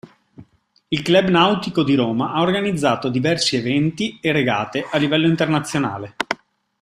Il Club Nautico di Roma ha organizzato diversi eventi e regate a livello internazionale.